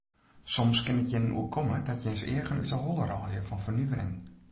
Soms kin it jin oerkomme dat jins eagen út de holle rôlje fan fernuvering.